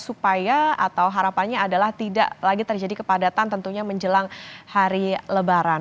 supaya atau harapannya adalah tidak lagi terjadi kepadatan tentunya menjelang hari lebaran